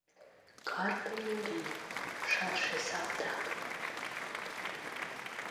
Каргыме лий, шылше салтак!